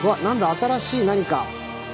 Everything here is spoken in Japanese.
新しい何か。